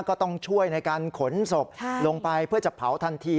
ก็ต้องช่วยในการขนศพลงไปเพื่อจะเผาทันที